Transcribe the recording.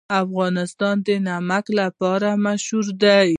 افغانستان د نمک لپاره مشهور دی.